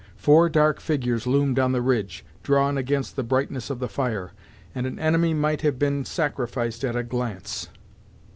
Four dark figures loomed on the ridge, drawn against the brightness of the fire, and an enemy might have been sacrificed at a glance.